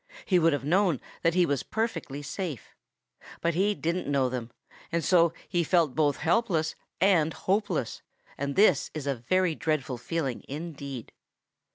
He would have known that he was perfectly safe. But he didn't know them, and so he felt both helpless and hopeless, and this is a very dreadful feeling indeed.